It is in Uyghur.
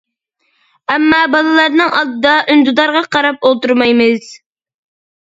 ئەمما بالىلارنىڭ ئالدىدا ئۈندىدارغا قاراپ ئولتۇرمايمىز.